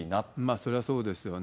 それはそうですよね。